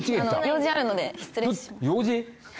用事あるので失礼します用事？